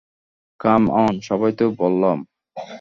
কাম on, সবই তো বললাম।